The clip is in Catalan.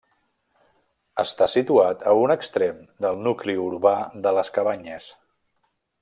Està situat a un extrem del nucli urbà de les Cabanyes.